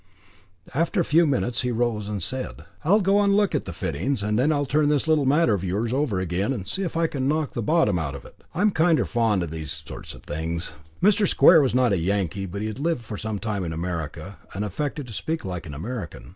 After a few minutes he rose, and said: "I'll go and look at the fittings, and then I'll turn this little matter of yours over again, and see if I can't knock the bottom out of it, I'm kinder fond of these sort of things." Mr. Square was not a Yankee, but he had lived for some time in America, and affected to speak like an American.